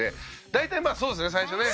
大体まあそうですよね最初ね。